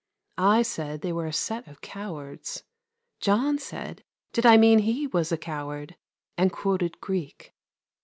I said they were a set of cowards. John said did I mean he was a coward, and quoted Greek.